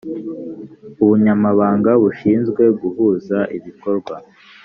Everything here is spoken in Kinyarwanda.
ubunyamabanga bushinzwe guhuza ibikorwa